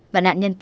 và nạn nhân t